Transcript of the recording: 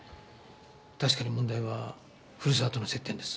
確かに問題は古沢との接点です。